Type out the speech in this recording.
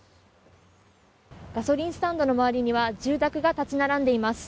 ガソリンスタンドの周りには住宅が立ち並んでいます。